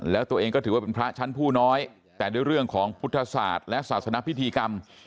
แล้วตัวเองก็ถือว่าเป็นพระชั้นผู้น้อยแต่ด้วยเรื่องของพุทธศาสตร์และศาสนพิธีกรรม